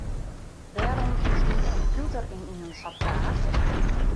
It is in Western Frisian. Wêrom is dyn kompjûter ynienen sa traach?